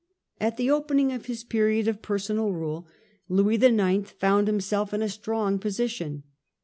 At the opening of his period of personal rule Louis IX. found himself in a strong position.